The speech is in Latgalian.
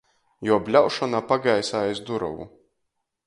Juo bļaušona pagaisa aiz durovu.